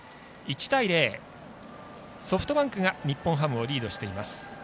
１対０、ソフトバンクが日本ハムをリードしています。